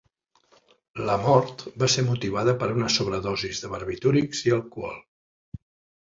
La mort va ser motivada per una sobredosi de barbitúrics i alcohol.